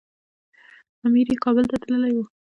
امر یې کابل ته تللی و.